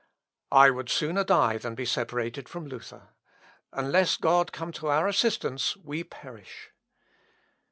"I would sooner die than be separated from Luther. Unless God come to our assistance we perish."